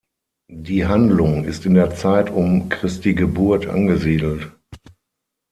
Die Handlung ist in der Zeit um Christi Geburt angesiedelt.